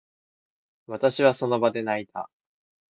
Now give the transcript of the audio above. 私は、その場で泣いた。